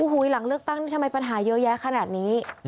หลังเลือกตั้งนี่ทำไมปัญหาเยอะแยะขนาดนี้